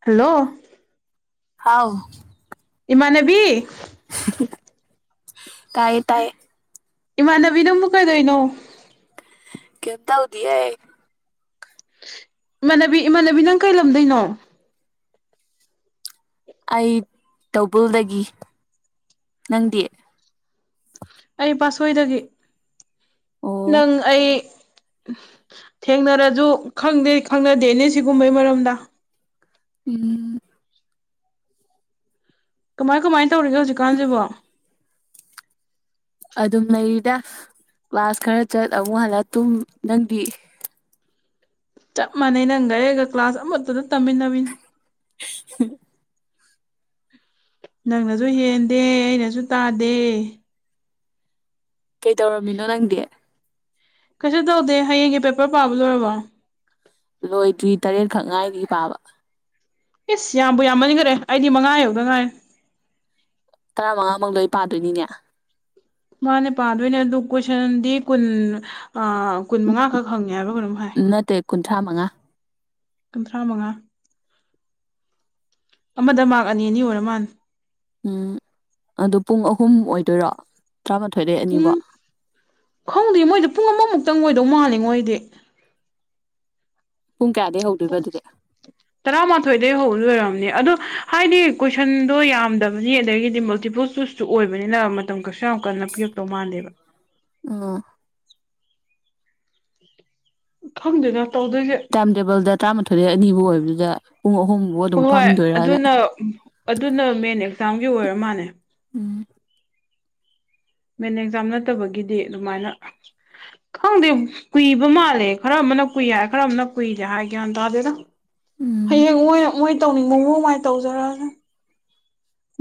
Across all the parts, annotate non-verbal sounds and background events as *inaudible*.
Hello ꯍꯥꯎ ꯏꯃꯥꯟꯅꯕꯤ ꯇꯥꯏꯌꯦ ꯇꯥꯏꯌꯦ ꯏꯃꯥꯟꯅꯕꯤ ꯅꯪꯕꯨ ꯀꯩꯗꯣꯏꯅꯣ ꯀꯩꯝ ꯇꯧꯗꯤꯌꯦ ꯏꯃꯥꯟꯅꯕꯤ ꯏꯃꯥꯟꯅꯕꯤ ꯅꯪ ꯀꯩ ꯂꯝꯗꯩꯅꯣ ꯑꯩ ꯇꯧꯕꯨꯜꯗꯒꯤ ꯅꯪꯗꯤ ꯑꯩ ꯄꯥꯠꯁꯣꯏꯗꯒꯤ ꯑꯣ ꯅꯪ ꯑꯩ ꯊꯦꯡꯅꯔꯖꯨ ꯈꯪꯗꯤ ꯈꯪꯅꯗꯦꯅꯦ ꯁꯤꯒꯨꯝꯕꯩ ꯃꯔꯝꯗ ꯎꯝ ꯀꯃꯥꯏ ꯀꯃꯥꯏ ꯇꯧꯔꯤꯒꯦ ꯍꯧꯖꯤꯛꯀꯥꯟꯖꯤꯕꯣ ꯑꯗꯨꯝ ꯂꯩꯔꯤꯗ ꯀ꯭ꯂꯥꯁ ꯈꯔ ꯆꯠ ꯑꯃꯨꯛ ꯍꯜꯂ ꯇꯨꯝ ꯅꯪꯗꯤ ꯆꯞ ꯃꯥꯟꯅꯩ ꯅꯪꯒ ꯑꯩꯒ ꯀ꯭ꯂꯥꯁ ꯑꯃꯠꯇꯗ ꯇꯝꯃꯤꯟꯅꯕꯤꯅꯤ *inaudible* ꯅꯪꯅꯖꯨ ꯍꯦꯟꯗꯦ ꯑꯩꯅꯖꯨ ꯇꯥꯗꯦ ꯀꯩꯗꯧꯔꯝꯃꯤꯅꯣ ꯅꯪꯗꯤ ꯀꯩꯁꯨ ꯇꯧꯗꯦ ꯍꯌꯦꯡꯒꯤ ꯄꯦꯄꯔ ꯄꯥꯕ ꯂꯣꯏꯔꯕꯣ ꯂꯣꯏꯗ꯭ꯔꯤ ꯇꯔꯦꯠꯈꯛ ꯉꯥꯏꯔꯤ ꯄꯥꯕ ꯏꯁ ꯌꯥꯝꯕꯨ ꯌꯥꯝꯃꯟꯒꯔꯦ ꯑꯩꯗꯤ ꯃꯉꯥ ꯌꯧꯗ ꯉꯥꯏꯔꯤ ꯇꯔꯥꯃꯉꯥꯃꯛ ꯂꯣꯏ ꯄꯥꯗꯣꯏꯅꯤꯅꯦ ꯃꯥꯅꯦ ꯄꯥꯗꯣꯏꯅꯦ ꯑꯗꯨ ꯀꯣꯏꯁꯟꯗꯤ ꯀꯨꯟ ꯑ ꯀꯨꯟꯃꯉꯥ ꯈꯛ ꯍꯪꯉꯦ ꯍꯥꯏꯕ꯭ꯔꯥ ꯀꯩꯅꯣꯝ ꯍꯥꯏ ꯅꯠꯇꯦ ꯀꯨꯟꯊ꯭ꯔꯥ ꯃꯉꯥ ꯀꯨꯟꯊ꯭ꯔꯥꯃꯉꯥ ꯑꯃꯗ ꯃꯥ꯭ꯔꯛ ꯑꯅꯤ ꯑꯅꯤ ꯑꯣꯏꯔ ꯃꯥꯟꯅꯦ ꯎꯝ ꯑꯗꯨ ꯄꯨꯡ ꯑꯍꯨꯝ ꯑꯣꯏꯗꯣꯏꯔꯣ ꯇꯔꯥꯃꯥꯊꯣꯏꯗꯩ ꯑꯅꯤꯕꯣꯛ ꯄꯨꯡ ꯈꯪꯗꯦ ꯃꯣꯏꯗꯨ ꯄꯨꯡ ꯑꯃꯃꯨꯛꯇꯪ ꯑꯣꯏꯗꯧ ꯃꯥꯜꯂꯦꯉꯣ ꯑꯩꯗꯤ ꯄꯨꯡ ꯀꯌꯥꯗꯩ ꯍꯧꯗꯣꯏꯕ ꯑꯗꯨꯗꯤ *inaudible* ꯇꯔꯥꯃꯥꯊꯣꯏꯗꯩ ꯍꯧꯗꯣꯏ ꯂꯣꯏꯔꯝꯅꯤ ꯑꯗꯣ ꯍꯥꯏꯗꯤ ꯀꯣꯏꯁꯟꯗꯣ ꯌꯥꯝꯗꯕꯅꯤ ꯑꯗꯒꯤꯗꯤ ꯃꯜꯇꯤꯄꯜ ꯆꯨꯁ ꯁꯨ ꯑꯣꯏꯕꯅꯤꯅ ꯃꯇꯝ ꯀꯩꯁꯨ ꯌꯥꯝ ꯀꯟꯅ ꯄꯤꯔꯛꯇꯧ ꯃꯥꯟꯗꯦꯕ ꯑ ꯈꯪꯗꯦꯗ ꯇꯧꯗꯣꯏꯖꯦ ꯇꯥꯏꯝ ꯇꯦꯕꯜꯗ ꯇꯔꯥꯃꯥꯊꯣꯏꯗꯩ ꯑꯅꯤꯕꯨ ꯑꯣꯏꯕꯗꯨꯗ ꯄꯨꯡ ꯑꯍꯨꯝ ꯍꯣꯏ ꯑꯗꯨꯅ ꯑꯗꯨꯅ ꯃꯦꯟ ꯑꯦꯛꯖꯥꯝꯒꯤ ꯑꯣꯏꯔ ꯃꯥꯟꯅꯦ ꯎꯝ ꯃꯦꯟ ꯑꯦꯛꯖꯥꯝ ꯅꯠꯇꯕꯒꯤꯗꯤ ꯑꯗꯨꯃꯥꯏꯅ ꯈꯪꯗꯦ ꯀꯨꯏꯕ ꯃꯥꯜꯂꯦ ꯈꯔ ꯑꯃꯅ ꯀꯨꯏ ꯍꯥꯏ ꯈꯔ ꯑꯃꯅ ꯀꯨꯏꯗꯦ ꯍꯥꯏ ꯒ꯭ꯌꯥꯟ ꯇꯗꯦꯗ ꯎꯝ ꯍꯌꯦꯡ ꯃꯣꯏꯅ ꯃꯣꯏ ꯇꯧꯅꯤꯡꯕ ꯃꯑꯣꯡ ꯃꯥꯏ ꯇꯧꯖꯔꯛ ꯑꯖꯥꯅꯤ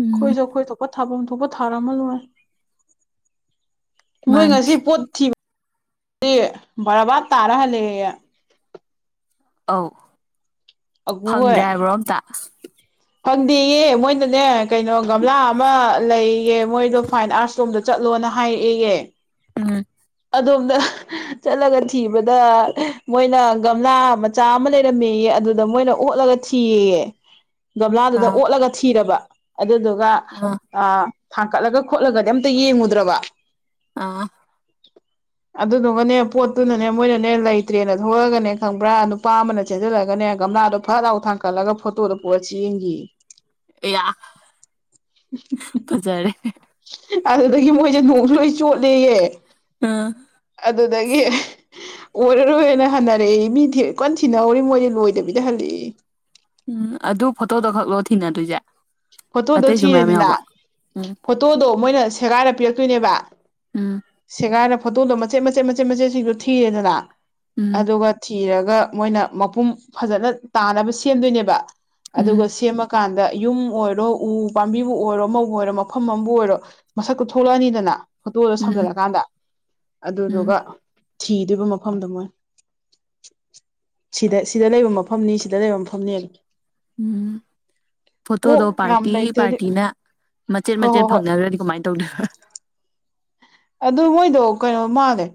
ꯎꯝ ꯑꯩꯈꯣꯏꯖꯨ ꯑꯩꯈꯣꯏ ꯊꯣꯛꯄ ꯊꯥꯚꯝ ꯊꯣꯛꯄ ꯊꯥꯔꯝꯃ ꯂꯣꯏꯔꯦ ꯃꯣꯏ ꯃꯥꯅꯤ ꯉꯁꯤ ꯄꯣꯠ ꯊꯤꯕ ꯗꯤ ꯕꯔꯥꯕꯥꯠ ꯇꯥꯔ ꯍꯜꯂꯛ ꯑꯦꯌꯦ ꯑꯧ ꯑꯒꯨ ꯍꯣꯏ ꯐꯪꯗ꯭ꯔꯦ ꯍꯥꯏꯕ꯭ꯔꯣ ꯑꯝꯇ ꯐꯪꯗꯦꯌꯦ ꯃꯣꯏꯅꯅꯦ ꯀꯩꯅꯣ ꯒꯝꯂꯥ ꯑꯃ ꯂꯩꯌꯦꯌꯦ ꯃꯣꯏꯗꯣ ꯐꯥꯏꯟ ꯑꯥꯔꯠꯁ ꯂꯣꯝꯗ ꯆꯠꯂꯣꯅ ꯍꯥꯏꯔꯛꯑꯦꯌꯦ ꯎꯝ ꯑꯗꯣꯝꯗ *unintelligible* ꯆꯠꯂꯒ ꯊꯤꯕꯗ ꯃꯣꯏꯅ ꯒꯝꯂꯥ ꯃꯆꯥ ꯑꯃ ꯂꯩꯔꯝꯃꯦꯌꯦ ꯑꯗꯨꯗ ꯗ ꯃꯣꯏꯅ ꯑꯣꯠꯂꯒ ꯊꯤꯌꯦꯌꯦ ꯒꯝꯂꯥꯗꯨꯗ ꯑꯥ ꯑꯣꯠꯂꯒ ꯊꯤꯔꯕ ꯑꯗꯨꯗꯨꯒ ꯑꯥ ꯑ ꯊꯥꯡꯀꯠꯂꯒ ꯈꯣꯠꯂꯒꯗꯤ ꯑꯝꯇ ꯌꯦꯡꯉꯨꯗ꯭ꯔꯕ ꯑꯥ *unintelligible* ꯑꯗꯨꯗꯨꯒꯅꯦ ꯄꯣꯠꯇꯨꯅꯅꯦ ꯃꯣꯏꯅꯅꯦ ꯂꯩꯇ꯭ꯔꯦꯅ ꯊꯣꯛꯂꯒꯅꯦ ꯈꯪꯕ꯭ꯔꯥ ꯅꯨꯄꯥ ꯑꯃꯅ ꯆꯦꯟꯖꯜꯂꯒꯅꯦ ꯒꯝꯂꯥꯗꯣ ꯐꯠ ꯂꯥꯎ ꯊꯥꯡꯀꯠꯂꯒ ꯐꯣꯇꯣꯗꯨ ꯄꯨꯔꯥ ꯆꯦꯟꯒꯤꯌꯦ ꯑꯌꯥ ꯐꯖꯔꯦ ꯑꯗꯨꯗꯒꯤ ꯃꯣꯏꯖꯦ ꯅꯣꯡꯁꯨ ꯂꯣꯏ ꯆꯣꯠꯂꯦꯌꯦ ꯑ ꯑꯗꯨꯗꯒꯤ ꯑꯣꯏꯔꯔꯣꯏꯅ ꯍꯟꯅꯔꯛꯑꯦꯌꯦ ꯃꯤ ꯊꯤ ꯀꯟ ꯊꯤꯅꯍꯧꯔꯤ ꯃꯣꯏꯗꯤ ꯂꯣꯏꯗꯕꯤꯗ ꯍꯜꯂꯛꯑꯦꯌꯦ ꯎꯝ ꯑꯗꯨ ꯐꯣꯇꯣꯗꯣ ꯈꯛꯂꯣ ꯊꯤꯅꯗꯣꯏꯖꯦ ꯐꯣꯇꯣꯗꯣ ꯊꯤꯔꯦꯗꯅ ꯎꯝ ꯐꯣꯇꯣꯗꯣ ꯃꯣꯏꯅ ꯁꯦꯒꯥꯏꯔ ꯄꯤꯔꯛꯇꯣꯏꯅꯦꯕ ꯎꯝ ꯁꯦꯒꯥꯏꯔ ꯐꯣꯇꯣꯗꯣ ꯃꯆꯦꯠ ꯃꯆꯦꯠ ꯃꯆꯦꯠ ꯃꯆꯦꯠꯁꯤꯡꯗꯣ ꯊꯤꯔꯦꯗꯅ ꯎꯝ ꯑꯗꯨꯒ ꯊꯤꯔꯒ ꯃꯣꯏꯅ ꯃꯄꯨꯝ ꯐꯖꯅ ꯇꯥꯅꯕ ꯁꯦꯝꯗꯣꯏꯅꯦꯕ ꯎꯝ ꯑꯗꯨꯒ ꯁꯦꯝꯃ ꯀꯥꯟꯗ ꯌꯨꯝ ꯑꯣꯏ ꯔꯣ ꯎ ꯄꯥꯝꯕꯤꯕꯨ ꯑꯣꯏꯔꯣ ꯑꯃꯕꯨ ꯑꯣꯏꯔꯣ ꯃꯐꯝ ꯑꯃꯕꯨ ꯑꯣꯏꯔꯣ ꯃꯁꯛꯇꯨ ꯊꯣꯛꯂꯛꯑꯅꯤꯗꯅ ꯐꯣꯇꯣꯗꯣ ꯎꯝ ꯁꯝꯖꯜꯂꯀꯥꯟꯗ ꯎꯝ ꯑꯗꯨꯗꯨꯒ ꯊꯤꯗꯣꯏꯕ ꯃꯐꯝꯗꯣ ꯃꯣꯏꯅ ꯁꯤꯗ ꯁꯤꯗ ꯂꯩꯕ ꯃꯐꯝꯅꯤ ꯁꯤꯗ ꯂꯩꯕ ꯃꯐꯝꯅꯦ ꯎꯝ ꯐꯣꯇꯣꯗꯣ ꯀꯣꯛ ꯌꯥꯝ ꯄꯥꯔꯇꯤ ꯂꯩꯇ꯭ꯔꯗꯤ ꯄꯥꯔꯇꯤꯅ ꯃꯆꯦꯠ ꯍꯣꯏ ꯃꯆꯦꯠ ꯍꯣꯏ ꯍꯣꯏ ꯐꯪꯅ ꯗ꯭ꯔꯗꯤ ꯀꯃꯥꯏꯟ ꯇꯧꯗꯣꯏꯕ ꯑꯗꯨ ꯃꯣꯏꯗꯣ ꯀꯩꯅꯣ ꯃꯥꯜꯂꯦ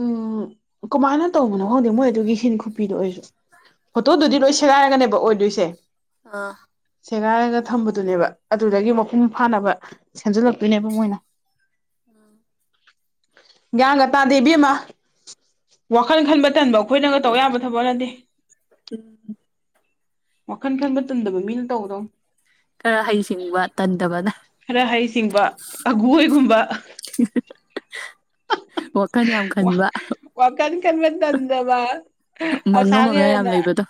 ꯎꯝ ꯀꯃꯥꯏꯅ ꯇꯧꯕꯅꯣ ꯈꯪꯗꯦ ꯃꯣꯏ ꯑꯗꯨꯒꯤ ꯍꯤꯟ ꯈꯨꯄꯤꯗꯣ ꯑꯩꯖꯨ ꯐꯣꯇꯣꯗꯨꯗꯤ ꯂꯣꯏ ꯁꯦꯒꯥꯏꯔꯒꯅꯦꯕ ꯑꯣꯏꯗꯣꯏꯁꯦ ꯑꯥ ꯁꯦꯒꯥꯏꯔꯒ ꯊꯝꯕꯗꯨꯅꯦꯕ ꯑꯗꯨꯗꯒꯤ ꯃꯄꯨꯡ ꯐꯥꯅꯕ ꯁꯦꯝꯖꯤꯜꯂꯛꯇꯣꯏꯅꯦꯕ ꯃꯣꯏꯅ ꯑꯥꯡ ꯒ꯭ꯌꯥꯟꯒ ꯇꯥꯗꯦ ꯏꯕꯦꯝꯃ ꯋꯥꯈꯜ ꯈꯟꯕ ꯇꯟꯕ ꯑ ꯈꯣꯏꯅꯒ ꯇꯧꯕ ꯌꯥꯕ ꯊꯕꯛ ꯅꯠꯇꯦ ꯋꯥꯈꯟ ꯈꯟꯕ ꯇꯟꯗꯕ ꯃꯤꯅ ꯇꯧꯒꯗꯧꯅꯤ ꯈꯔ ꯍꯩꯁꯤꯡꯕ ꯇꯟꯗꯕꯅ ꯈꯔ ꯍꯩꯁꯤꯡꯕ ꯑꯒꯨꯍꯣꯢꯒꯨꯝꯕ *unintelligible* ꯋꯥꯈꯟ ꯌꯥꯝ ꯈꯟꯕ ꯋꯥꯈꯟ ꯈꯟꯕ ꯇꯟꯗꯕ ꯃꯪꯉ ꯃꯪꯉ ꯌꯥꯝ ꯑꯁꯥꯀꯤꯔꯟꯅ ꯂꯩꯕꯗꯣ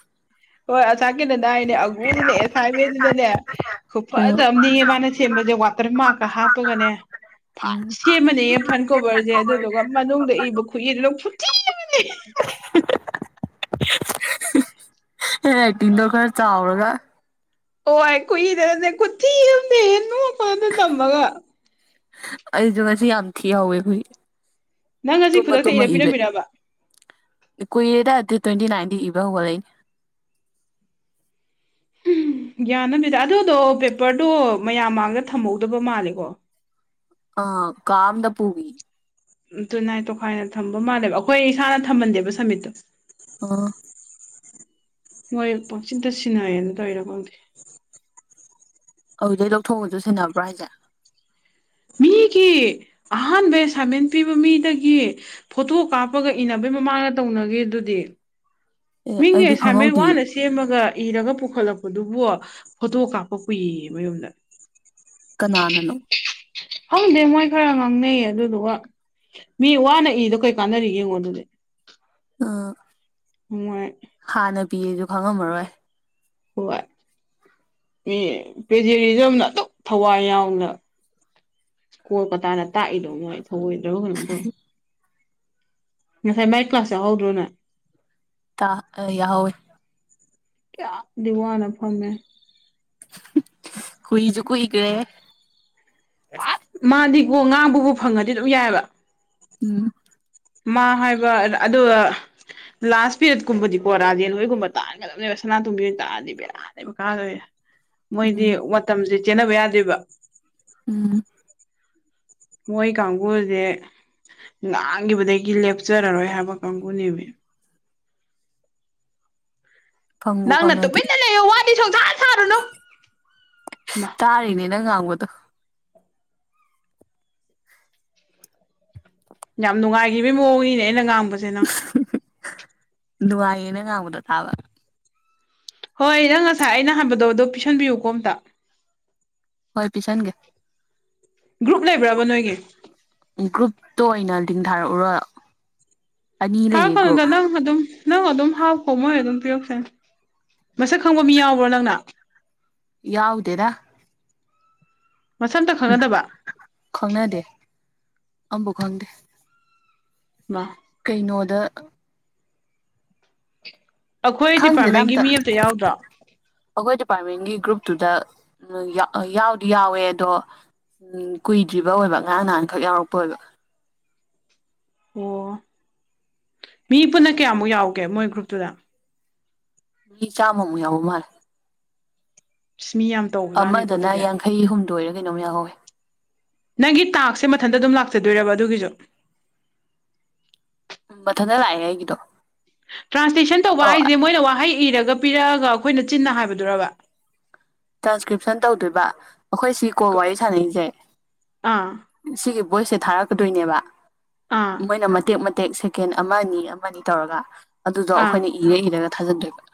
ꯍꯣꯏ ꯑꯁꯥꯀꯤꯔꯟꯗ ꯍꯥꯏꯅꯦ ꯑꯒꯨꯁꯤꯅ ꯑꯦꯁꯥꯏꯟꯃꯦꯟꯁꯤꯅꯅꯦ ꯎꯝ ꯈꯨꯐꯖ ꯑꯝꯅꯦꯑꯦ ꯃꯥꯅ ꯁꯦꯝꯕꯖꯦ ꯋꯥꯇꯔ ꯃꯥꯔꯛꯀ ꯍꯥꯞꯄꯒꯅꯦ ꯐꯟ ꯍꯦꯟ ꯁꯦꯝꯃꯅꯦꯌꯦ ꯐ꯭ꯔꯟ ꯀꯣꯕꯔꯁꯦ ꯑꯗꯨꯗꯨꯒ ꯃꯅꯨꯡꯗ ꯏꯕ ꯈꯨꯠꯏꯗꯨꯅ ꯈꯨꯊꯤ ꯑꯃꯅꯦ *unintelligible* ꯍꯦꯟꯔꯥꯏꯇꯤꯡꯗꯣ ꯈꯔ ꯆꯥꯎꯔꯒ ꯍꯣꯏ ꯈꯨꯠꯏ ꯗꯨꯅꯅꯦ ꯈꯨꯊꯤ ꯑꯝꯅꯦꯌꯦ ꯅꯣꯛꯄ ꯑꯗꯨ ꯇꯝꯕꯒ ꯑꯩꯁꯨ ꯉꯁꯤ ꯌꯥꯝ ꯊꯤꯍꯧꯋꯦ ꯈꯨꯠꯏ ꯅꯪ ꯉꯁꯤ ꯇꯨꯝꯃ ꯈꯨꯗꯛꯇ ꯇꯨꯝꯃ ꯏꯔ ꯏꯕꯩ ꯄꯤꯔꯝꯃꯤꯔꯕ ꯀꯨꯏꯔꯦꯗ ꯗꯦꯠ ꯇ꯭ꯋꯦꯟꯇꯤ ꯅꯥꯏꯟꯗꯩ ꯏꯕ ꯍꯧꯒꯠꯂꯛꯏꯅꯦ ꯎꯝ ꯒ꯭ꯌꯥꯟ ꯑꯝꯅꯤꯗ ꯑꯗꯨꯗꯣ ꯄꯦꯄꯔꯗꯣ ꯃꯌꯥꯝ ꯃꯥꯡꯗ ꯊꯝꯍꯧꯗꯕ ꯃꯥꯜꯂꯦꯀꯣ ꯑ ꯀꯥ ꯑꯃꯗ ꯄꯨꯒꯤ ꯎꯝ ꯇꯨꯅꯥꯏ ꯇꯣꯈꯥꯏꯅ ꯊꯝꯕ ꯃꯥꯜꯂꯦꯕ ꯑꯩꯈꯣꯏ ꯏꯁꯥꯅ ꯊꯝꯍꯟꯗꯦꯕ ꯁꯃꯤꯠꯇꯣ ꯑꯣ ꯃꯣꯏ ꯄꯪꯁꯤꯟꯇ ꯁꯤꯟꯅꯩꯅ ꯇꯧꯔꯤꯔ ꯈꯪꯗꯦ ꯑꯗꯨꯗꯩ ꯂꯧꯊꯣꯛꯑꯒꯁꯨ ꯁꯤꯟꯅꯕ꯭ꯔꯥ ꯍꯥꯏꯁꯦ ꯃꯤꯒꯤ ꯑꯍꯥꯟꯕ ꯑꯦꯁꯥꯏꯟꯃꯦꯟ ꯄꯤꯕ ꯃꯤꯗꯒꯤ ꯐꯣꯇꯣ ꯀꯥꯞꯄꯒ ꯏꯅꯕꯩ ꯃꯃꯥꯡꯗ ꯇꯧꯅꯈ꯭ꯔꯤꯗꯨꯗꯤ ꯑꯦ ꯃꯤꯒꯤ ꯑꯩꯗꯤ ꯑꯦꯁꯥꯏꯟꯃꯦꯟ ꯈꯪꯍꯧꯗꯦ ꯋꯥꯅ ꯁꯦꯝꯃꯒ ꯏꯔꯒ ꯄꯨꯈꯠꯂꯛꯄꯗꯨꯕꯨ ꯐꯣꯇꯣ ꯀꯥꯞꯄ ꯄꯨꯏꯌꯦ ꯃꯌꯨꯝꯗ ꯀꯅꯥꯅꯅꯣ ꯈꯪꯗꯦ ꯃꯣꯏ ꯈꯔ ꯉꯥꯡꯅꯩ ꯑꯗꯨꯗꯨꯒ ꯃꯤ ꯋꯥꯅ ꯏꯔꯤꯗꯣ ꯀꯩ ꯀꯥꯟꯅꯔꯤꯒꯦ ꯌꯦꯡꯉꯣ ꯑꯗꯨꯗꯤ ꯑꯥ ꯃꯣꯏ ꯍꯥꯟꯅ ꯄꯤꯌꯦꯁꯨ ꯈꯪꯉꯝꯃꯔꯣꯏ ꯍꯣꯏ ꯃꯤ ꯄꯦꯖ꯭ꯔꯤꯖꯝꯅ ꯑꯗꯨꯛ ꯊꯋꯥꯏ ꯌꯥꯎꯅ ꯀꯣꯜꯀꯇꯥꯅ ꯇꯥꯛꯏꯗꯣ ꯃꯣꯏ ꯊꯧꯑꯣꯏꯗ꯭ꯔꯕ ꯀꯩꯅꯣꯝ ꯇꯧꯋꯦ ꯉꯁꯥꯏ ꯃꯥꯏ ꯀ꯭ꯂꯥꯁ ꯌꯥꯎꯍꯧꯗ꯭ꯔꯣ ꯅꯣꯏ ꯇ ꯑ ꯌꯥꯎꯍꯧꯋꯤ ꯀꯌꯥꯗꯤ ꯋꯥꯅ ꯐꯝꯃꯦ ꯀꯨꯏꯁꯨ ꯀꯨꯏꯒ꯭ꯔꯦ ꯍꯦ ꯄꯥꯠ ꯃꯥꯗꯤꯀꯣ ꯉꯥꯡꯕꯕꯨ ꯐꯪꯉꯗꯤ ꯑꯗꯨꯝ ꯌꯥꯏꯕ ꯎꯝ ꯃꯥ ꯍꯥꯏꯕ ꯑꯗꯨꯒ ꯂꯥꯁ ꯄꯦꯔꯠꯀꯨꯝꯕꯗꯤꯀꯣ ꯔꯥꯖꯦꯟ ꯍꯣꯏꯒꯨꯝꯕ ꯇꯥꯛꯍꯟꯒꯗꯕꯅꯦꯕ ꯁꯅꯥꯇꯨꯝꯕꯤ ꯍꯣꯏꯅ ꯇꯥꯛꯑꯗꯤ ꯕꯦꯔꯥ *unintelligible* ꯃꯣꯏꯗꯤ ꯎꯝ ꯃꯇꯝꯁꯦ ꯆꯦꯟꯅꯕ ꯌꯥꯗꯦꯕ ꯎꯝ ꯃꯣꯏ ꯀꯥꯡꯕꯨꯁꯦ ꯂꯥꯡꯈꯤꯕꯗꯒꯤ ꯂꯦꯞꯆꯔꯔꯣꯏ ꯍꯥꯏꯕ ꯀꯥꯡꯕꯨꯨꯅꯦꯃꯤ ꯐꯪꯕꯨ ꯅꯪꯅ ꯐꯪꯉꯗꯤ ꯇꯨꯃꯤꯟꯅ ꯂꯩꯌꯨ ꯋꯥꯗꯤ ꯁꯨꯁꯥꯥꯟ ꯁꯥꯔꯨꯅꯨ ꯅꯪꯅ ꯉꯥꯡꯕꯗꯨ ꯌꯥꯝ ꯅꯨꯡꯉꯥꯏꯈꯤꯕꯒꯤ ꯃꯑꯣꯡꯅꯤꯅꯦ ꯑꯩꯅ ꯉꯥꯡꯕꯁꯦ ꯅꯪ ꯅꯨꯡꯉꯥꯏꯌꯦ ꯅꯪꯅ ꯉꯥꯡꯕꯗꯣ ꯇꯥꯕ ꯍꯣꯏ ꯅꯪ ꯉꯁꯥꯏ ꯑꯩꯅ ꯍꯟꯕꯗꯣ ꯑꯗꯣ ꯄꯤꯁꯟꯕꯤꯌꯨ ꯀꯣ ꯑꯝꯇ ꯍꯣꯏ ꯄꯤꯁꯟꯒꯦ ꯒ꯭ꯔꯨꯞ ꯂꯩꯕ꯭ꯔꯕ ꯅꯣꯏꯒꯤ ꯒ꯭ꯔꯨꯞꯇꯣ ꯑꯣꯏꯅ ꯂꯤꯡ ꯊꯥꯔꯛꯎꯔꯣ ꯑꯅꯤ ꯂꯩꯌꯦ ꯒ꯭ꯔꯨꯞ ꯊꯥꯔꯛꯀꯅꯨꯗ ꯅꯪ ꯑꯗꯨꯝ ꯅꯪ ꯑꯗꯨꯝ ꯍꯥꯞꯈꯣ ꯃꯣꯏ ꯑꯗꯨꯝ ꯄꯤꯔꯛꯆꯅꯤ ꯃꯁꯛ ꯈꯪꯕ ꯃꯤ ꯌꯥꯎꯕ꯭ꯔ ꯅꯪꯅ ꯌꯥꯎꯗꯦꯗ ꯃꯁꯛ ꯑꯝꯇ ꯈꯪꯅꯗꯕ ꯈꯪꯅꯗꯦ ꯑꯝꯕꯧ ꯈꯪꯗꯦ ꯕꯥ ꯀꯩꯅꯣꯗ ꯑꯩꯈꯣꯏ ꯗꯤꯄꯥꯔꯠꯃꯦꯟꯒꯤ ꯃꯤ ꯑꯝꯇ ꯌꯥꯎꯗ꯭ꯔꯣ? ꯑꯩꯈꯣꯏ ꯗꯤꯄꯥꯔꯠꯃꯦꯟꯒꯤ ꯒ꯭ꯔꯨꯞꯇꯨꯗ ꯌꯥꯏ ꯌꯥꯎꯗꯤ ꯌꯥꯎꯋꯦ ꯑꯗꯣ ꯎꯝ ꯀꯨꯏꯗ꯭ꯔꯤꯕ ꯑꯣꯏꯕ ꯉꯔꯥꯡ ꯅꯍꯥꯟꯈꯛ ꯌꯥꯎꯔꯛꯄ ꯑꯣꯏꯕ ꯫ ꯑꯣ ꯃꯤ ꯄꯨꯟꯅ ꯀꯌꯥꯃꯨꯛ ꯌꯥꯎꯒꯦ ꯃꯣꯏ ꯒ꯭ꯔꯨꯞꯇꯨꯗ? ꯃꯤ ꯆꯥꯝꯃꯃꯨꯛ ꯌꯥꯎꯕ ꯃꯥꯜꯂꯦ ꯫ ꯏꯁ ꯃꯤ ꯌꯥꯝ ꯇꯧꯕꯖꯥꯠꯅꯤꯀꯣ ꯑꯃꯗꯅ ꯑꯗꯨꯗꯤ ꯌꯥꯡꯈꯩ ꯍꯨꯝꯗꯣꯏꯔ ꯀꯩꯅꯣꯝ ꯌꯥꯎꯍꯧꯋꯦ ꯫ ꯅꯪꯒꯤ ꯇꯥꯛꯁꯦ ꯃꯊꯟꯇ ꯑꯗꯨꯝ ꯂꯥꯛꯆꯗꯣꯏꯔꯕ ꯑꯗꯨꯒꯤꯁꯨ? ꯃꯊꯟꯇ ꯂꯥꯛꯑꯦ ꯑꯩꯒꯤꯗꯣ ꯇ꯭ꯔꯥꯟꯁꯇ‌ꯦꯟ ꯇꯧꯕ ꯑꯣ ꯍꯥꯏꯁꯦ ꯃꯣꯏꯅ ꯋꯥꯍꯩ ꯏꯔꯒ ꯄꯤꯔꯛꯑꯒ ꯑꯩꯈꯣꯏꯅ ꯆꯤꯟꯅ ꯍꯥꯏꯕꯗꯨꯔꯕ? ꯇ꯭ꯔꯥꯟꯁꯀ꯭ꯔꯤꯞꯁꯟ ꯇꯧꯗꯣꯏꯕ ꯑꯩꯈꯣꯏ ꯁꯤ ꯀꯣꯜ ꯋꯥꯔꯤ ꯁꯥꯟꯅꯁꯩ ꯑꯥ ꯁꯤꯒꯤ ꯚꯣꯏꯁꯁꯦ ꯊꯥꯔꯛꯀꯗꯣꯏꯅꯦꯕ ꯫ ꯑꯥ ꯃ‌ꯣꯏꯅ ꯃꯇꯦꯛ ꯃꯇꯦꯛ ꯁꯦꯀꯦꯟ ꯑꯃ ꯑꯅꯤ ꯑꯃ ꯑꯅꯤ ꯇꯧꯔꯒ ꯑꯗꯨꯗꯣ ꯑꯥ ꯑꯩꯈꯣꯏꯅ ꯏꯔ ꯏꯔꯒ ꯊꯥꯖꯟꯗꯣꯏꯕ ꯫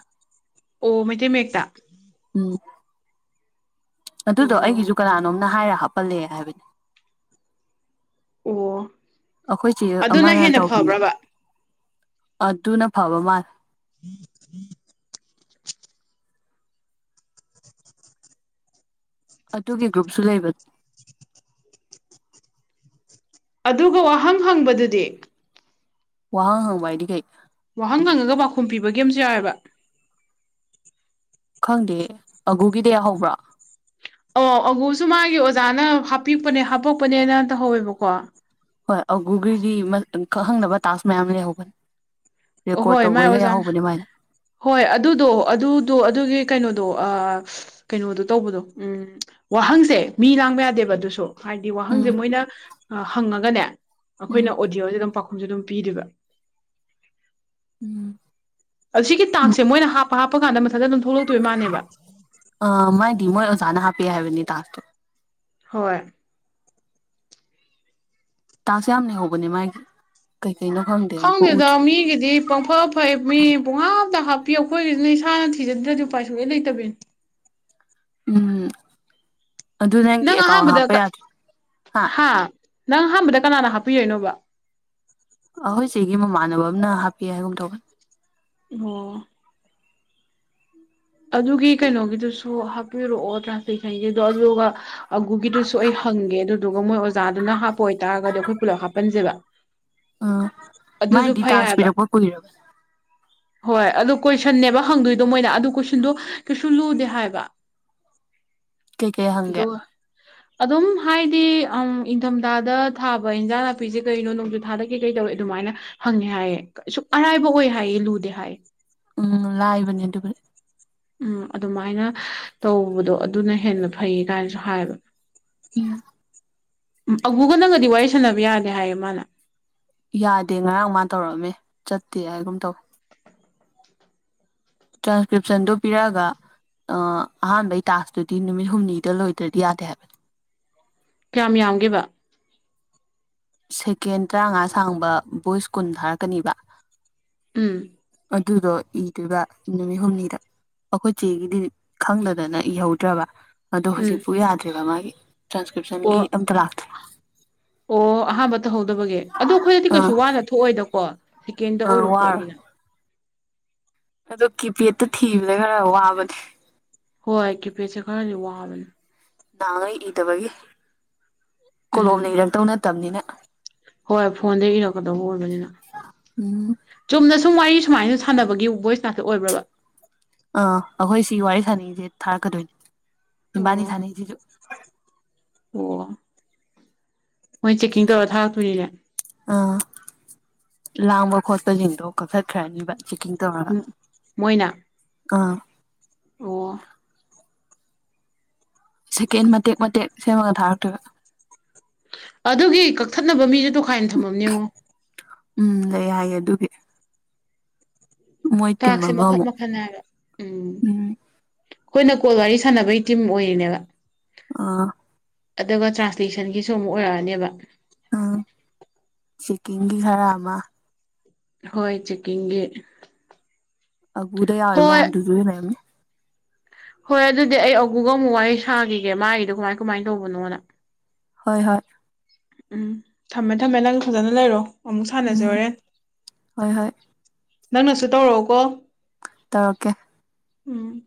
ꯑꯣ ꯃꯩꯇꯩ ꯃꯌ‌ꯦꯛꯇ ꯫ ꯎꯝ ꯑꯗꯨꯗꯣ ꯑꯣ ꯑꯩꯒꯤꯁꯨ ꯀꯅꯥꯅꯣꯝꯅ ꯍꯥꯏꯔ ꯍꯥꯞꯄꯜꯂꯦ ꯍꯥꯏꯕꯅꯤ ꯫ ꯑꯣ ꯑꯩꯈꯣꯏ ꯆ‌ꯩ ꯑꯗꯨꯅ ꯑꯃꯅ ꯍꯦꯟꯅ ꯇꯧꯈꯤꯕꯅꯦꯕ ꯐꯕ꯭ꯔꯕ ꯑꯗꯨꯅ ꯐꯕ ꯃꯥꯜꯂꯦ ꯫ *inaudible* ꯑꯗꯨꯒꯤ ꯒ꯭ꯔꯨꯞꯁꯨ ꯂꯩꯕ ꯑꯗꯨꯒ ꯋꯥꯍꯪ ꯍꯪꯕꯗꯨꯗꯤ? ꯋꯥꯍ ꯍꯪꯕꯥ ꯍꯏꯗꯤ ꯀꯩ? ꯋꯥꯍꯪ ꯍꯪꯉꯒ ꯄꯥꯎꯈꯨꯝ ꯄꯤꯕꯒꯤ ꯑꯃꯁꯨ ꯌꯥꯎꯋ‌‌ꯦꯕ ꯫ ꯈꯪꯗꯦ ꯑꯒꯨꯒꯤꯗ ꯌꯥꯎꯍꯧꯕ꯭ꯔꯥ? ꯑꯣ ꯑꯒꯨꯁꯨ ꯃꯥꯒꯤ ꯑꯣꯖꯥꯅ ꯍꯥꯞꯄꯤꯛꯄꯅꯦ ꯍꯥꯄꯛꯄꯅꯦꯅ ꯇꯧꯍꯧꯋꯦꯕꯀꯣ ꯫ ꯍꯣꯏ ꯑꯒꯨꯒꯤꯒꯤ ꯃꯁꯛ ꯈꯪꯗꯅ ꯇꯥꯛꯁ ꯃꯌꯥꯝ ꯂꯩꯍꯧꯕꯅꯦ ꯫ ꯔꯦꯀꯣꯔꯠ ꯑꯍꯣꯏ ꯃꯥꯏ ꯇꯧꯕꯩꯒ ꯑꯣꯖꯥꯅ ꯌꯥꯎꯍꯧꯕꯅꯦ ꯃꯥꯏꯗ‌‌ꯣ ꯫ ꯍꯣꯏ ꯑꯗꯨꯗꯣ ꯑꯗꯨꯗꯣ ꯑꯗꯨꯒꯤ ꯀꯩꯅꯣꯗꯣ ꯑꯥ ꯀꯩꯅꯣꯗꯣ ꯇꯧꯕꯗꯣ ꯎꯝ ꯋꯥꯍꯪꯁꯦ ꯃꯤ ꯂꯥꯡꯕ ꯌꯥꯗꯦꯕ ꯑꯗꯨꯁꯨ ꯫ ꯍꯥꯏꯗꯤ ꯋꯥꯍꯪꯁꯦ ꯎꯝ ꯃꯣꯏꯅ ꯍꯪꯉꯒꯅꯦ ꯎꯝ ꯑꯩꯈꯣꯏꯅ ꯑꯣꯗꯤꯌꯣꯁꯦ ꯑꯗꯨꯝ ꯄꯥꯎꯈꯨꯝꯁꯦ ꯑꯗꯨꯝ ꯄꯤꯗꯣꯏꯕ ꯫ ꯎꯝ ꯑꯁꯤꯒꯤ ꯇꯥꯛꯁꯦ ꯃꯣꯏꯅ ꯍꯥꯞꯄ ꯍꯥꯞꯄꯀꯥꯟꯗ ꯃꯊꯟꯛꯇ ꯑꯗꯨꯝ ꯊꯣꯛꯂꯛꯇꯣꯏ ꯃꯥꯅꯦꯕ ꯫ ꯑꯥ ꯃꯥꯏꯗꯤ ꯃꯣꯏ ꯑꯣꯖꯥꯅ ꯍꯥꯞꯄ‌ꯦ ꯍꯥꯏꯕꯅꯤ ꯇꯥꯛꯁꯇꯣ ꯫ ꯍꯣꯏ ꯇꯥꯡꯁꯦ ꯌꯥꯝꯅ ꯂꯩꯍꯧꯕꯅꯦ ꯃꯥꯒꯤ ꯫ ꯈꯪꯗꯦꯗ ꯃꯤꯒꯤꯗꯤ ꯄꯪ ꯍ‌ꯣ ꯐꯩ ꯃꯤ ꯄꯨꯡꯍꯥꯞꯇ ꯍꯥꯞꯄꯤꯌ‌ꯦ ꯑꯩꯈꯣꯏꯒꯤꯁꯤꯅ ꯏꯁꯥꯅ ꯊꯤꯖꯗ꯭ꯔꯗꯤ ꯎꯄꯥꯏ ꯁꯨꯡꯂꯩ ꯂꯩꯇꯕꯤꯅꯤ ꯫ ꯎꯝ ꯑꯗꯨ ꯅꯪꯒꯤ ꯅꯪ ꯑꯦꯀꯥꯎꯟ ꯑꯍꯥꯟꯕꯗ ꯍꯥꯞꯄ ꯌꯥꯗ꯭ꯔ‌ꯣ ꯍꯥ? ꯅꯪ ꯑꯍꯥꯟꯕꯗ ꯀꯅꯥꯅ ꯍꯥꯞꯄꯤꯔꯛꯏꯅꯣꯕ ꯫ ꯑꯈꯣꯏ ꯆ‌ꯩꯒꯤ ꯃꯃꯥꯟꯅꯕ ꯑꯃꯅ ꯍꯥꯞꯄꯤ ꯍꯥꯏꯒꯨꯝ ꯇꯧꯕꯅ‌‌ꯦ ꯫ ꯑꯣ ꯑꯗꯨꯒꯤ ꯀꯩꯅꯣꯒꯤꯗꯨꯁꯨ ꯍꯥꯞꯄꯤꯔꯛꯑꯣ ꯇ꯭ꯔꯥꯍꯂ‌ꯦꯁꯟꯒꯤꯗ‌ꯣ ꯑꯗꯨꯒ ꯑꯒꯨꯒꯤꯗꯨꯁꯨ ꯑꯩ ꯍꯪꯒꯦ ꯑꯗꯨꯗꯨꯒ ꯃꯣꯏ ꯑꯣ ꯆꯥꯗꯨꯅ ꯍꯥꯞꯄ ꯑꯣꯏꯇꯥꯔꯒꯗꯤ ꯑꯈꯣꯏ ꯄꯨꯂꯞ ꯍꯥꯞꯄꯟꯁꯦꯕ꯫ ꯑ ꯑꯗꯨꯁꯨ ꯃꯥꯏꯗꯤ ꯐꯩ ꯇꯥꯛꯁ ꯍꯥꯏꯕ ꯄꯤꯔꯛꯄ ꯀꯨꯏꯔꯕꯅꯤ꯫ ꯍꯣꯏ ꯑꯗꯨ ꯀꯣꯏꯁꯟꯅꯦꯕ ꯍꯪꯗꯣꯏꯗꯣ ꯃꯣꯏꯅ ꯑꯗꯨ ꯀꯣꯏꯁꯟꯗꯣ ꯀꯩꯁꯨ ꯂꯨꯗꯦ ꯍꯥꯏꯌꯦꯕ꯫ ꯀꯩꯀꯩ ꯍꯪꯒꯦ ꯗꯣ, ꯑꯗꯨꯝ ꯍꯥꯏꯗꯤ ꯑꯝ ꯏꯪꯊꯝꯊꯥꯗ ꯊꯥꯕ ꯏꯟꯖꯥꯡ ꯅꯥꯄꯤꯁꯦ ꯀꯩꯅꯣ ꯅꯣꯡꯖꯨ ꯊꯥꯗ ꯀꯩ ꯀꯩ ꯇꯧꯋꯦ ꯗꯨꯃꯥꯏꯅ ꯍꯪꯉꯦ ꯍꯥꯏꯌꯦ ꯁꯨꯛ ꯑꯔꯥꯏꯕ ꯑꯣꯏ ꯍꯥꯏꯌꯦ ꯂꯨꯗꯦ ꯍꯥꯏꯌꯦ꯫ ꯎꯝ ꯂꯥꯏꯕꯅꯦ ꯑꯗꯨꯕꯨꯗꯤ꯫ ꯎꯝ ꯑꯗꯨꯃꯥꯏꯅ ꯇꯧꯕꯗꯣ ꯑꯗꯨꯅ ꯍꯦꯟꯅ ꯐꯩ ꯀꯥꯏꯅꯁꯨ ꯍꯥꯏꯕ꯫ ꯎꯝ ꯑꯕꯨꯒ ꯅꯪꯒꯗꯤ ꯋꯥꯔꯤ ꯁꯥꯟꯅꯕ ꯌꯥꯗꯦ ꯍꯥꯏꯌꯦ ꯃꯥꯅ꯫ ꯌꯥꯗꯦ ꯉꯔꯥꯡ ꯃꯥ ꯇꯧꯔꯛꯑꯝꯃꯦ ꯆꯠꯇꯦ ꯍꯥꯏꯒꯨꯝ ꯇꯧꯋꯦ꯫ ꯇ꯭ꯔꯥꯟꯁꯀ꯭ꯔꯤꯞꯁꯟꯗꯨꯣ ꯄꯤꯔꯛꯑꯒ, ꯑꯍꯥꯟꯕꯩ ꯇꯥꯛꯇꯨꯗꯤ ꯅꯨꯃꯤꯠ ꯍꯨꯝꯅꯤꯗ ꯂꯣꯏꯇ꯭ꯔꯗꯤ ꯌꯥꯇꯦ ꯍꯥꯏꯕꯅꯤ꯫ ꯀꯌꯥꯝ ꯌꯥꯝꯒꯦꯕ? ꯁꯦꯀꯦꯟ ꯇꯔꯥꯃꯉꯥ ꯁꯥꯡꯕ ꯕꯣꯏꯁ ꯀꯨꯟ ꯊꯥꯔꯛꯀꯅꯤꯕ꯫ ꯎꯝ꯫ ꯑꯗꯨꯗꯣ ꯏꯗꯨꯏꯕ ꯅꯨꯃꯤꯠ ꯍꯨꯝꯅꯤꯗ꯫ ꯑꯈꯣꯏ ꯆꯦꯒꯤꯗꯤ ꯈꯪꯗꯗꯅ ꯏꯍꯧꯗ꯭ꯔꯕ꯫ ꯑꯗꯣ ꯎꯝ ꯍꯨꯖꯤꯛꯄꯨ ꯌꯥꯗ꯭ꯦꯔꯤꯕ ꯃꯥꯒꯤ ꯑꯣ ꯇ꯭ꯔꯥꯟꯁꯀ꯭ꯔꯤꯞꯁꯟꯒꯤ ꯑꯝꯇ ꯂꯥꯛꯇ꯭ꯔꯦ꯫ ꯑꯣ ꯑꯍꯥꯥꯟꯕ ꯇꯧꯍꯧꯗꯕꯒꯤ ꯑꯗꯣ ꯑꯈꯣꯏꯅꯗꯤ ꯀꯩꯁꯨ ꯑꯥ ꯋꯥꯅ ꯊꯣꯛꯑꯣꯏꯗꯀꯣ ꯁꯦꯀꯦꯟꯗ ꯑꯥ ꯑꯣꯏꯕ ꯋꯥꯔꯣꯏ ꯄꯣꯠꯅꯤꯅ꯫ ꯑꯗꯣ ꯀꯤꯄꯦꯠꯇ ꯊꯤꯕꯗ ꯈꯔ ꯋꯥꯕꯅꯦ꯫ ꯍꯣꯏ ꯀꯤꯄꯦꯠꯁꯦ ꯈꯔꯗꯤ ꯋꯥꯕꯅꯦ꯫ ꯅꯍꯥꯡꯉꯩ ꯏꯗꯕꯒꯤ ꯎꯝ ꯀꯣꯂꯣꯝꯅ ꯏꯔꯛꯇꯧ ꯅꯠꯇꯝꯅꯤꯅ꯫ ꯍꯣꯏ ꯐꯣꯟꯗꯒꯤ ꯏꯔꯛꯀꯗꯧꯕ ꯑꯣꯏꯕꯅꯤꯅ꯫ ꯎꯝ ꯆꯨꯝꯅ ꯁꯨꯝ ꯋꯥꯔꯤ ꯁꯨꯃꯥꯏꯅ ꯁꯥꯟꯅꯕꯒꯤ ꯚꯣꯏꯁ ꯉꯥꯛꯇ ꯑꯣꯏꯕ꯭ꯔꯕ꯫ ꯑꯥ ꯑꯩꯈꯣꯏ ꯁꯤ ꯋꯥꯔꯤ ꯁꯥꯟꯅꯩꯁꯦ ꯊꯥꯔꯛꯀꯗꯣꯏꯅꯦ ꯏꯕꯥꯅꯤ ꯑꯣ ꯁꯥꯟꯅꯩꯁꯤꯁꯨ꯫ ꯑꯣ꯫ ꯃꯣꯏ ꯆꯦꯛꯀꯤꯡ ꯇꯧꯔꯒ ꯊꯥꯔꯛꯇꯣꯏꯅꯤꯅꯦ꯫ ꯑꯥ ꯂꯥꯡꯕ ꯈꯣꯠꯄꯁꯤꯡꯗꯣ ꯀꯛꯊꯠꯈ꯭ꯔꯅꯤꯕ꯫ ꯆꯦꯛꯀꯤꯡ ꯇꯧꯔꯒ ꯎꯝ ꯃꯣꯏꯅ ꯑꯥ꯫ ꯑꯣ꯫ ꯁꯦꯀꯦꯟ ꯃꯇꯦꯛ ꯃꯇꯦꯛ ꯁꯦꯝꯃꯒ ꯊꯥꯔꯛꯇꯣꯏꯕ꯫ ꯑꯗꯨꯒꯤ ꯀꯛꯊꯠꯅꯕ ꯃꯤꯁꯨ ꯇꯣꯈꯥꯏꯅ ꯊꯝꯃꯝꯅꯦꯉꯣ꯫ ꯎꯝ ꯂꯩ ꯍꯥꯏꯌꯦ ꯑꯗꯨꯒꯤ꯫ ꯃꯣꯏ ꯇꯤꯝ ꯇꯥꯛꯁꯁꯦ ꯃꯈꯟ ꯑꯃꯃꯨꯛ ꯃꯈꯟꯅꯦ ꯍꯥꯏꯕ ꯎꯝ꯫ ꯈꯣꯏꯅ ꯀꯣꯜ ꯋꯥꯔꯤ ꯁꯥꯟꯅꯕꯩ ꯇꯤꯝ ꯑꯣꯏꯔꯤꯅꯦꯕ꯫ ꯑꯥ꯫ ꯑꯗꯨꯒ ꯇ꯭ꯔꯥꯟꯁꯂꯦꯁꯟꯒꯤꯁꯨ ꯑꯃꯨꯛ ꯑꯣꯏꯔꯛꯑꯅꯦꯕ꯫ ꯎꯝ ꯆꯤꯀꯤꯡꯒꯤ ꯈꯔ ꯑꯃ꯫ ꯍꯣꯏ ꯆꯦꯛꯀꯤꯡꯒꯤ꯫ ꯑꯕꯨꯗ ꯌꯥꯎꯔꯤ ꯍꯣꯏ ꯃꯌꯥꯝꯗꯣ ꯗꯨꯗꯨ ꯂꯩꯔꯝꯅꯤ꯫ ꯍꯣꯏ ꯑꯗꯨꯗꯤ ꯑꯩ ꯑꯒꯨꯒ ꯑꯃꯨꯛ ꯋꯥꯔꯤ ꯁꯥꯈꯤꯒꯦ ꯃꯥꯒꯤꯗꯣ ꯀꯃꯥꯏ ꯀꯃꯥꯏꯅ ꯇꯧꯕꯅꯣꯅ꯫ ꯍꯣꯏ ꯍꯣꯏ꯫ ꯎꯝ ꯊꯝꯃꯦ ꯊꯝꯃꯦ ꯅꯪ ꯐꯖꯅ ꯂꯩꯔꯣ꯫ ꯑꯃꯨꯛ ꯁꯥꯟꯅꯁꯦ ꯎꯝ ꯍꯣꯔꯦꯟ, ꯍꯣꯏ ꯍꯣꯏ ꯅꯪꯅꯁꯨ ꯇꯧꯔꯛꯑꯣꯀꯣ꯫ ꯇꯧꯔꯛꯀꯦ ꯎꯨꯝ